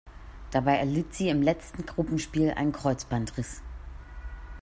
Dabei erlitt sie im letzten Gruppenspiel einen Kreuzbandriss.